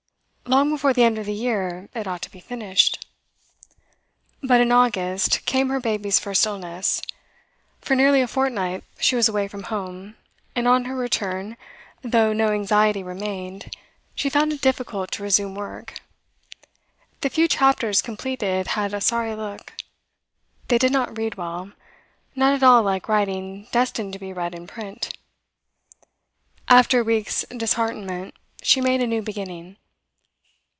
Long before the end of the year it ought to be finished. But in August came her baby's first illness; for nearly a fortnight she was away from home, and on her return, though no anxiety remained, she found it difficult to resume work. The few chapters completed had a sorry look; they did not read well, not at all like writing destined to be read in print. After a week's disheartenment she made a new beginning.